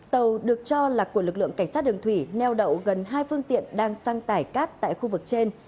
tàu được cho là của lực lượng cảnh sát đường thủy neo đậu gần hai phương tiện đang sang tải cát tại khu vực trên